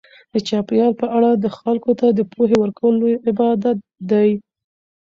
د چاپیریال په اړه خلکو ته د پوهې ورکول لوی عبادت دی.